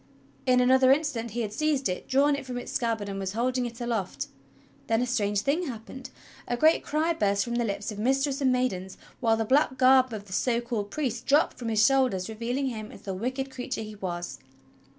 In another instant he had seized it, drawn it from its scabbard, and was holding it aloft. Then a strange thing happened: A great cry burst from the lips of mistress and maidens, while the black garb of the so called priest dropped from his shoulders revealing him as the wicked creature he was.